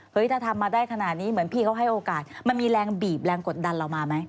ถ้าทำมาได้ขนาดนี้เหมือนพี่เขาให้โอกาสมันมีแรงบีบแรงกดดันเรามาไหม